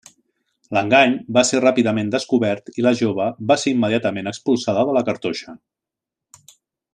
L'engany va ser ràpidament descobert i la jove va ser immediatament expulsada de la cartoixa.